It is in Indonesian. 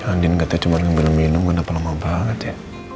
andien katanya cuma dengan belum minum kenapa lama banget ya